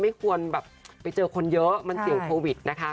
ไม่ควรแบบไปเจอคนเยอะมันเสี่ยงโควิดนะคะ